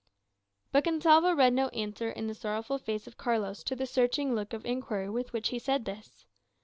But Gonsalvo read no answer in the sorrowful face of Carlos to the searching look of inquiry with which he said this.